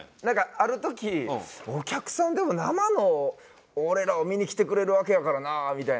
ある時お客さんでも生の俺らを見に来てくれるわけやからなみたいな。